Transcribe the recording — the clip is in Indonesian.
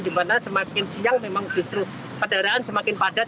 di mana semakin siang memang justru kendaraan semakin padat